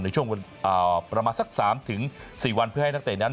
ในช่วงประมาณสัก๓๔วันเพื่อให้นักเตะนั้น